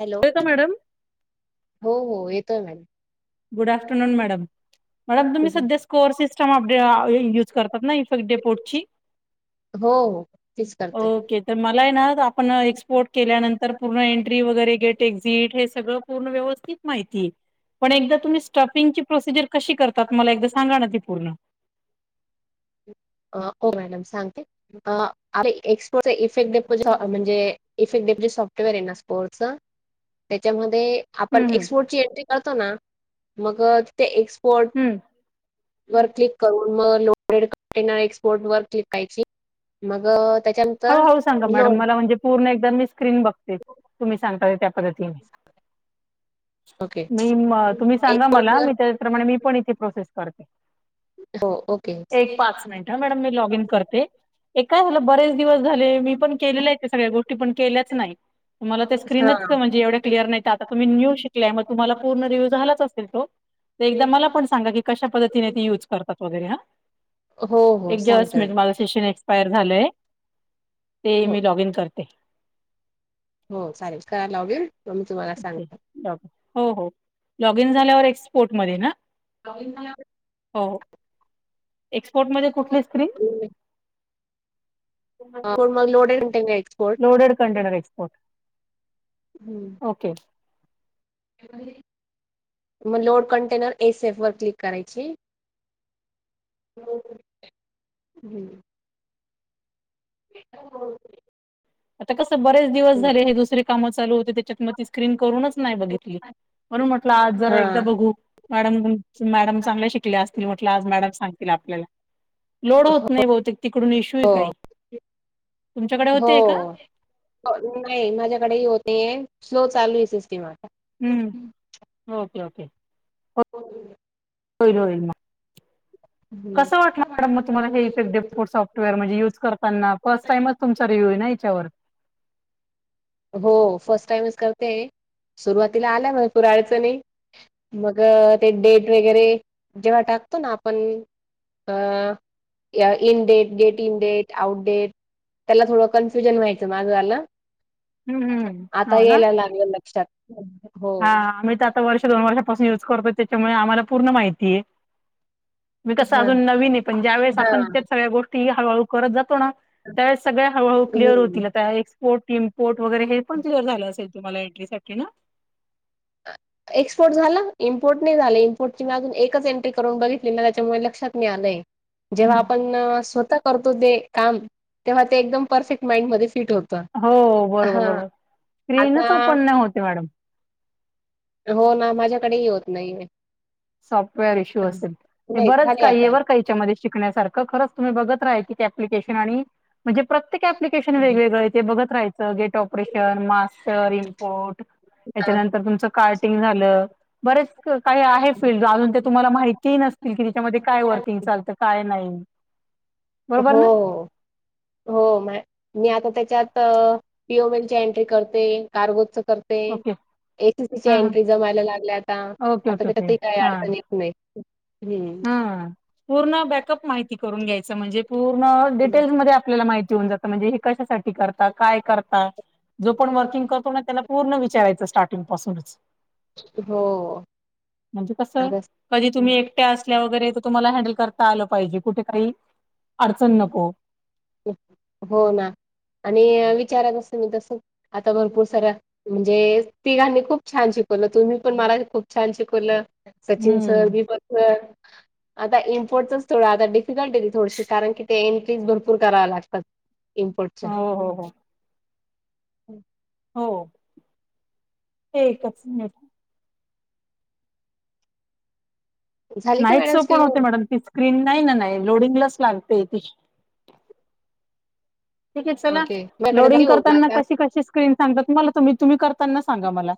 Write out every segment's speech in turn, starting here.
Hello का madam हो हो येतोय madam. Good afternoon madam madam तुम्ही सध्या स्कोर सिस्टमडे युज कर. ना इफेक्टडे पडची हो. तीच करते ओके तर मला आहे ना आपण एक्सपोर्ट केल्यानंतर पूर्ण एंट्री वगैरे गेट एक्झिट हे सगळं पूर्ण व्यवस्थित माहिती पण एकदा तुम्ही स्टफिंगची प्रोसेस कशी करतात, मला एकदा सांगा ना ती पूर्ण मॅडम सांगते एक्सपोस इफेक्ट म्हणजे इफेक्टिवे सॉफ्टवेअर आहे ना स्पोर्ट त्याच्यामध्ये आपण हम्म हम्म एक्सपोर्ट ची एंट्री करतो ना मग ते एक्सपोर्ट हं. वर क्लिक करून मग लोडेड कंटेनर एक्सपोर्ट वर क्लिक करायची मग हो त्याच्यानंतर हो सांगा लोन मॅडम मला म्हणजे पूर्ण एकदा मी स्क्रीन बघते तुम्ही सांगता त्या पद्धतीने. ओके मी तुम्ही सांगा एक्सपोर्ट मला वर मी त्याचप्रमाणे मी पण इथे प्रोसेस करते. हो ओके पाच हा मिनिट मॅडम मी लॉग इन करते काय झा. बरेच दिवस झाले मी पण केलेल्या आहेत ते सगळ्या गोष्टी पण केल्याच नाही. मला स्क्रीनच म्हणजे एवढ्या क्लिअर आता तुम्ही न्यु शिकलेले मग तुम्हाला झालाच असल तो एकदा मला पण कश्या पद्धतीने युज करतात वैगेरे हो हो एक जस्ट सांगते मॅडम मिनिट एक्स्पायर झालय ते हो मि लॉग इन करते. हो चालेल करायला लावगेल म मी तुम्हाला सांगते. ल हो हो लॉगिन झाल्यावर एक्सपोर्ट मध्ये ना. [unintelligible] हो एक्सपोर्ट मध्ये कुठली स्क्रीम? हो मग loaded export loaded container export हम्म. ओके. मग लोड कंटेनर एस एफवर क्लिक करायची हम्म. [unintelligible] आता कसं बरेच दिवस झाले हे दुसरी कामं चालू होत त्याच्यात म स्क्रीन करूनच नाय बघितली म्हणून म्हटलं आज जरा हा एकदा बघू मॅडम मॅडम चांगल्या शिकल्या असतील म्हटलं आज मॅडम सांगतील आपल्याला लोड होत नाही बहुतेक तिकडून इश्यू आहे हो काही तुमच्याकडे हो होतेय का. नाही माझ्याकडेही होत नाहीये स्लो चालू ये सिस्टीम आता. हम् ओके ओके. [unintelligible] होईल होईल म. हम्म. कस वाटलं मॅडम म तुमला हे इफेक्ट [unintelligible] वेअर म्हणजे युज करताना फस्ट टाईमच तुचा रिव्यू आहे ना याच्यावर हो फर्स्ट टाइमच करते सुरुवातीला आल्या भरपूर अडचणी. मग ते डेट वगैरे जेव्हा टाकतो ना आपण अ, in date date in date out date त्याला थोडं कन्फ्युजन व्हायचं माझं वाल. हम्म हम्म आता हो ना यायला लागलं लक्षात. हो हा आम्ही तर आता वर्ष दोन वर्षापासून युज करतोय त्याच्यामुळे आम्हाला पूर्ण माहितीये. मी कसं हा अजून नवीन ये पण ज्या वेळेस हा आपण त्यात सगळ्या गोष् ष्टी हळूहळू करत जातो ना त्यावेळेस सगळ्या हळूहळू क्लिअर होतील हम्म. आता एक्स पोर्ट इन पोर्ट वगैरे हे पण क्लिअर झालं असेल तुम्हाला एंट्रीसाठी ना. [unintelligible] एक्सपोर्ट झाला इम्पोर्ट नाय झालं इम्पोर्टची मी अजून एकच एंट्री करून बघितली म त्याच्यामुळे लक्षात नय आलंय. जेव्हा हम्म आपण स्वतः करतो ते काम तेव्हा ते एकदम परफेक्ट माइंड मध्ये फिट होत. हो बरोबर बरोबर आता स्क्रीनच ओपन नाय होत ये मॅडम. हो ना माझ्याकडेही होत नाहीये. सॉफ्टवेअर इश्यू असेल पण नाही बरच झाले काही ये आता बरं कां हेच्यामध्ये. शिकण्यासारखं खरंच तुम्ही बघत राहा एक एक अप्लिकेशन आणि म्हणजे प्रत्येक अँप्लिकेशन वेग वेगळं आहे ते बघत राय टर्गेट ऑपरेशन मास्टर इंम्पॉर्ट हा त्यांनंतर तुमच कार्टिंग झालं बरेच काही आहे. फील्ड अजून ते तुम्हाला माहिती नसतील की त्याच्यामध्ये काय वर्किंग चालतं काय नाही. बरोबर हो. ना? हो म मी आता त्याच्यात पी ओम एल एंट्री करते कार्गोजच कर ते ओके ए टी पी च्या हां हां एन्ट्री जमायला लागल्या आता ओके आता ओके ओके त्याच्यात काही हां. अडचण येत नाही. [unintelligible] हा पूर्ण बॅकअप माहिती करून घ्यायच म्हणजे पूर्ण डिटेल्स मध्ये आपल्याला माहिती होऊन जात म्हणजे हे कशासाठी करता काय करता जो कोणं वर्किंग करतो ना त्याला पूर्ण विचारायचं स्टार्टिंग पासूनच. हो म्हणजे कस आता कधी तुम्ही एक ट्या असल्या वगैरे तुम्हाला हँडल करता आलं पाहिजे कुठे काही अडचण नको. हो ना आणि विचारात असते मी तसं आता भरपूर साऱ्या म्हणजे तिघांनी खूप छान शिकवलं तुम्ही पण मला खूप छान शिकवलं. सचिन सर हम्म नी पण, तर आता इम्पोर्टच थोडं आता डिफिकल्ट येईल थोडशी कारण की ते एंट्रीज भर पूर करावा लागतात इम्पोर्टच्या हो हो हो हो.. एकच मिनिट झाली का नाईटस मॅडम ओपण स्क्रीन होते, मॅडम ती स्क्रीन नाही ना नाही लोडिंगलाच लावते ती ठीक आहे चला ओके माझ्याकडे लोडिंग झाली हो. करताना कशी कशी स्क्रीन सांगतात, तुम्हाला तुम्ही करताना सांगा मला.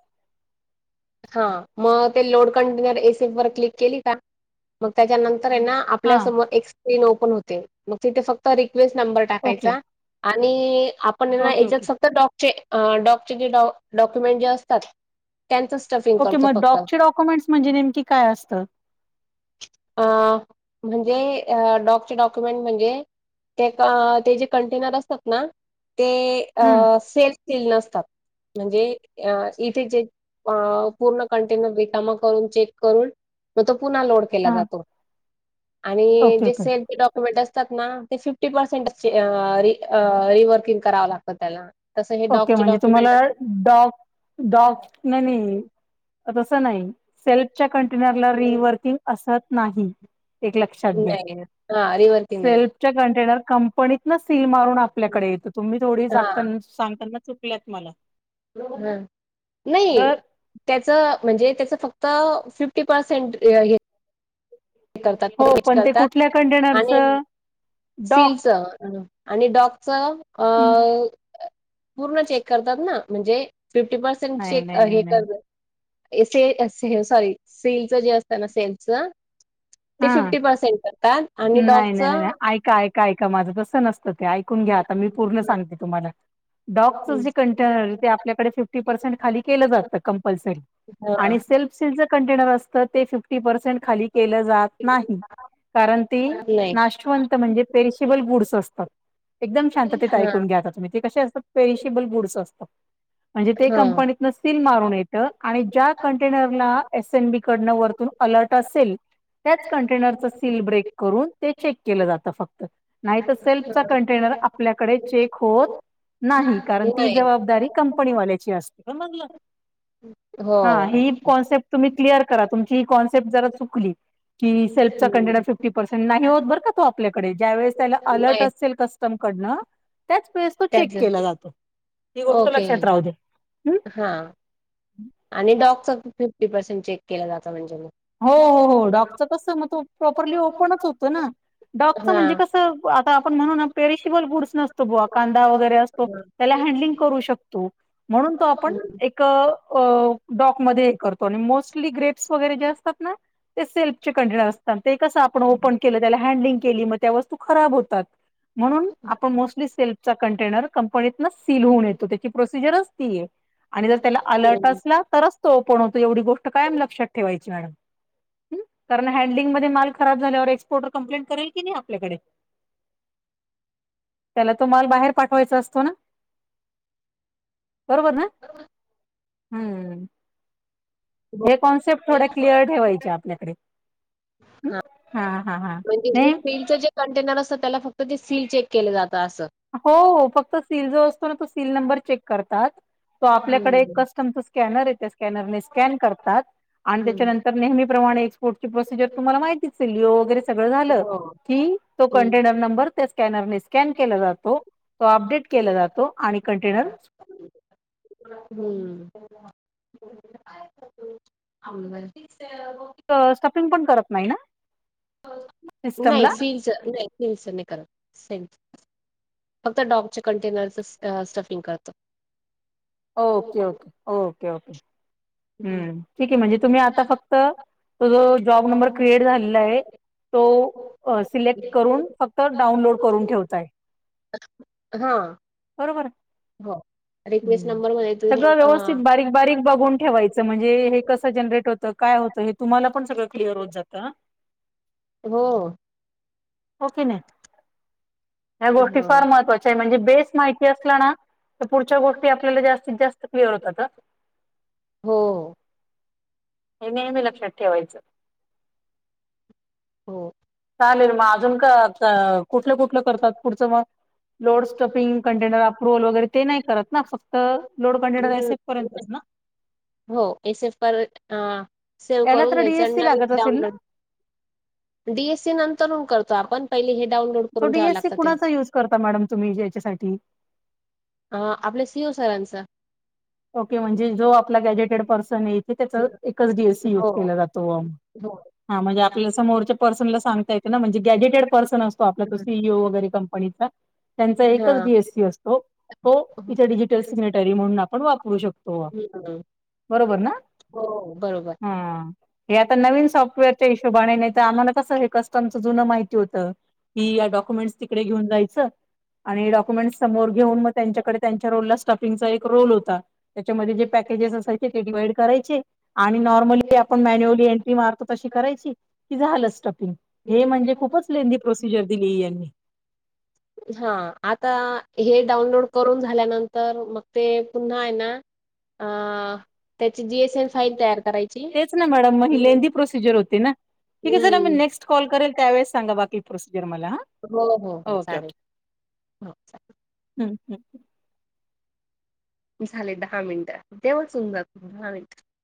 हा मग ते load container A C F वर क्लिक केली का, मग त्याच्यानंतर आहे ना हा आपल्यासमोर एक स्क्रीन ओपन होते, मग तिथे फक्त रिक्वेस्ट नंबर ओके टाकायचा. आणि आपण हे ना ओके याच्यात ओके फक्त डॉ चे डॉकचे जे डॉक्युमेंट चे असतात त्यांचं स्टफिंग ओके करतो मग फक्त डॉकचे डॉक्युमेंटस म्हणजे नेमकी काय असतं? अ म्हणजे डॉकचे डॉक्युमेंट म्हणजे एक ते जे कंटेनर असतात ना, ते हम्म सेलस केलेले नसतात. म्हणजे इथे जे पूर्ण कंटेनर रिकामा करून चेक करून मग तो पुन्हा लोड केला हा जातो आणि ओके जे ओके सेलस डॉक्यु क्युमेंट असतात ना, ते फिफ्टी पर्सेंट रि रिवर्किंग करावं लागतं त्याला. तसं हे ओके डॉकचे म्हणजे तुम्हाला डॉक्युमेंट डॉक डॉक न नाही आ तस नाही, सेल्फच्या कंटेनरला असतात रिवर्किंग असत नाही, एक लक्षात घ्या. नाही हा रीवर्किंग सेल्पच्या कंटेनर कंपनीतन सील मारून आपल्याकडे येतं, तुम्ही थोडी हा जाताना सांगताना चुकल्यात मला. बरोबर आहे, नाही तर त्याचं म्हणजे त्याच फक्त फिफ्टी पर्सेंट हे हे करतात हो फक्त [unintelligible] पण ते कुठल्या करतात आणि कंटेनरचं डॉक सीलच आणि डॉकच अ पूर्ण चेक करतात ना, म्हणजे फिफ्टी पर्सेंट नाही चेक नाही नाही हे नाही करतात ऐ से से सॉरी सेलच जे असतं ना सेलच ते हा फिफ्टी पर्सेंट करतात आणि नाही डॉगच नाही हा नाही नाही ऐका ऐका ऐका माझं तसं नसतं ते ऐकून घ्या, आता मी पूर्ण सांगते तुम्हाला. डॉकचं जे नाही कंटेनर आहे ते आपल्याकडे फिफ्टी पर्सेंट खाली केलं जातं कंपल्सरी हा आणि सेल्फ सील कंटेनर असत ते फिफ्टी पर्सेंट खाली केलं जात नाही, कारण ती नाशवंत म्हणजे पेशबल बूड्स असतात. एकदम शांततेत हा ऐकून घ्या, आता तुम्ही ते कसे असतात पेईशीबल बुड्स असतात. म्हणजे ते हा कंपनीतन सील मारून येतं आणि ज्या कंटेनरला एस एन बी कडनं वरतून अलर्ट असेल, त्याच कंटेनरच सील ब्रेक करून ते चेक केलं जातं फक्त. नाही तर सेल्फचा कंटेनर आपल्याकडे चेक होत नाही, कारण ती नाही जबाबदारी कंपनी वाल्याची असते. हो हा ही कॉन्सेप्ट तुम्ही क्लिअर करा, तुमची ही कॉन्सेप्ट जरा चुकली. की सेल्फचा कंटेड हं. फिफ्टी पर्सेंट नाही होत बरं का तो आपल्याकडे, ज्या वेळेस त्याला अलर्ट नाही असेल कस मी कडनं त्याच वेळेस तो चेक त्याच केला जातो, ही गोष्ट ओके लक्षात राहु दे. हा हं. आणि डॉकचा फिफ्टी पर्सेंट चेक केला जातं म्हणजे मग हो हो हो डॉकचं कस मग तो प्रॉपरली ओपनच होतं ना. डॉकचा म्हणजे कसं, आता आपण म्हणून ना पेरिशिबल बुड्स नसतो बुवा कांदा वगैरे असतो त्याला हँडलिंग करू शकतो, म्हणून तो आपण एक क डॉक मध्ये करतो आणि मोस्टली ग्रेप्स वगैरे जे असतात ना ते सेल्फचे कंटेनर असतात, ते कसं आपण ओपन केलं, त्याला हँडलिंग केली, मग त्या वस्तू खराब होतात. म्हणून आपण मोस्टली सेल्पचा कंटेनर कंपनीतन सील होऊन येतो, त्याची प्रोसिजरच ती आहे. आणि जर त्याला अलर्ट असला, तरच तो ओपण होतो एवढी गोष्ट कायम लक्षात ठेवायची मॅडम. कारण हॅडलिंगध्ये माल खराब झाल्यावर एक्सपोर्टर कम्प्लेंट करेल की नाही आपल्याकडे. त्याला तो माल बाहेर पाठवायचा असतो ना? बरोबर ना? हम्म. ह्या कॉन्सेप्ट थोड्या क्लिअर ठेवायच्या आपल्याकडे. हा हा हा. म्हणजे हे नाही - सीलचं जे कंटेनर असत. त्याला फक्त ते सील चेक केलं जातं असं. हो फक्त सील जो असतो ना? तो सील नंबर चेक करतात. तो आपल्याकडे एक हम्म कस्टमच स्कॅनरये. त्या स्कॅनरने स्कॅन करतात. आणि हम्म त्याच्यानंतर नेहमीप्रमाणे एक्सपोर्टची प्रोसिजर तुम्हाला माहितीेचए. लिओ वगैरे सगळं झालय. हो कि तो हम्म कंटेनर नंबर, त्या स्कॅनर न- स्कॅन केला जातो. तो अपडेट केला जातो. आणि कंटेनर - हम्म. [unintelligible] स्टफिंग पण करत नाही ना? नाही. सिस्टमला फीलच नाही. फिलच नाही करत. सेंट फक्त डॉकच्या कंटेनरचं स्टफिंग करतात. Okay okay. Okay okay. हम्म. ठीकए. म्हणजे तुम्ही आता फक्त तो जो जॉब नंबर क्रिएट झालेला आहे- तो सिलेक्ट करून फक्त डाऊनलोड करून ठेवताय. हा. बरोबर हो. रिक्वेस्ट हम्म. नंबरमध्ये तु सगळं [unintelligible] आं. व्यवस्थित बारीक बारीक बघून ठेवाय- म्हणजे हे कसं जनरेट होतं? काय होतं? हे तुम्हाला पण सगळं क्लिअर होत जातं अं. हो. हो कि नाही? ह्या गोष्टी हो फार महत्त्वाच्या आहेत. म्हणजे बेस माहिती असला ना? तर पुढच्या गोष्टी आपल्याला जास्तीत जास्त क्लिअर होतात हं. हो. हे नेहमी लक्षात ठेवायचं. हो. चालेल. मग अजून का कुठलं कुठलं करतात पुढचं मग? लोड स्टपिंग, कंटेनर अप्रुव्हल वगैरे ते नाही करत ना? फक्त लोड कंटेनर अस- हम्म, पर्यंतच ना? हो. एस एफ व सेव्ह याला करून तर घ्यायचं डीएससी आणि लागत असेल ना डाऊनलोड. डी एस सी नंतरून करतो आपण. पहिले हे डाउनलोड तो करून ठेवावं डीएससी लागतं ते. कुणाचा युज करता मॅडम तुम्ही याच्यासाठी? अ. आपल्या सी ई ओ सरांचा. ओके. म्हणजे जो आपला गॅझेटेड पर्सन येई - कि त्याच एकच डी एस सी युज हो केला जातो बुवा. हो हा. म्हणजे आपल्या समोरच्या पर्सनला सांगता ये - तना. म्हणजे गॅझेटेड पर्सन असतो आपला तो सी ई ओ वगैरे कंपनीचा. त्यांचा एकच हां जी एस सी असतो. तो हं इथे डिजिटल सिग्नेटरी म्हणून- वापरू शकतो बुवा. बरोबर ना? हो बरोबर. हा. हे आता नवीन सॉफ्टवेअरच्या हिशोबान. नाही तर आम्हाला कसं हे कस्टमचं जुनं माहिती होतं. कि या डॉक्युमेंट्स तिकडे घेऊन जायचं. आणि डाक्युमेंटस - समोर घेउन मग त्यांच्याकडे त्यांच्या रोलला स्टफिंगच - एक रोल हो- ता. त्याच्यामध्ये जे पॅकेजेस असायचे, ते डिवाइड करायचे- आणि नॉर्मली आपण मॅन्युअली एंट्री मारतो तशी करायची- कि झालं स्टफिंग. हे म्हणजे खूपच लेंंदी प्रोसिजर दिली यांनी. हा. आता हे डाउनलोड करून झाल्यानंतर मग ते पुन्हा ए ना- अ त्याची जी एस एन फाईल तयार करायची- तेच ना मॅडम मग ही लेंदी प्रोसिजर होती ना ठीक हे सर आम्ही हं नेक्स्ट कॉल करेल त्यावेळेस सांगा बाकी प्रोसिजर मला हा हो हो हो चालेल हो ह हं झाले दहा मिनिट तेव्हाच होऊन जाते दहा मिनिट